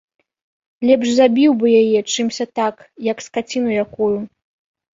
Лепш забіў бы яе, чымся так, як скаціну якую.